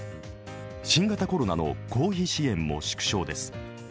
新型コロナの公費支援も縮小です。